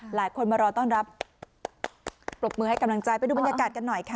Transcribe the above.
หลายคนมารอต้อนรับปรบมือให้กำลังใจไปดูบรรยากาศกันหน่อยค่ะ